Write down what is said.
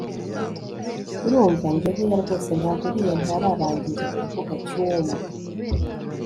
urumva!? njye hoya rwose ntago uriya ntararangiza kuvuga, twum